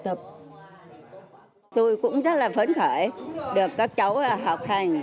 tôi cũng rất là phấn khởi được các cháu học hành